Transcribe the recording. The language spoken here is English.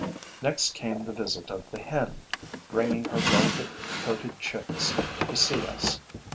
Next came the visit of the hen, bringing her velvet coated chicks to see us.